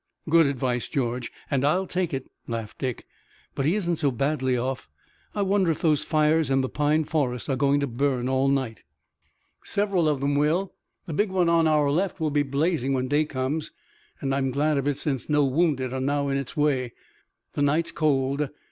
"Good advice, George, and I'll take it," laughed Dick. "But he isn't so badly off. I wonder if those fires in the pine forest are going to burn all night?" "Several of 'em will. The big one on our left will be blazing when day comes, and I'm glad of it since no wounded are now in its way. The night's cold.